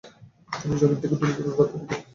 তিনি জমীন থেকে ধুলিঝড় উঠতে দেখেন।